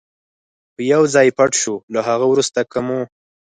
به یو ځای پټ شو، له هغه وروسته که مو.